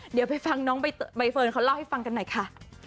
เดี๋ยวไปฟังน้องใบเฟิร์นเขาเล่าให้ฟังกันหน่อยค่ะ